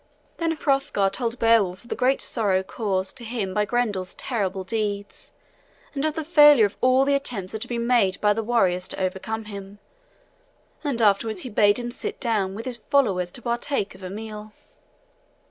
Then Hrothgar told Beowulf of the great sorrow caused to him by Grendel's terrible deeds, and of the failure of all the attempts that had been made by the warriors to overcome him; and afterwards he bade him sit down with his followers to partake of a meal.